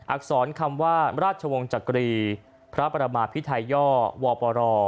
อักษรคำว่าราชวงศ์จักรีพระประมาพิไทยย่อวปร